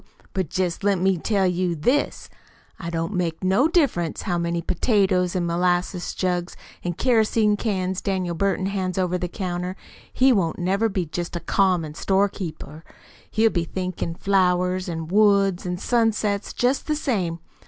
But jest let me tell you this: it don't make no difference how many potatoes an' molasses jugs an' kerosene cans Daniel Burton hands over the counter he won't never be jest a common storekeeper. He'll be THINKIN' flowers an' woods an' sunsets jest the same.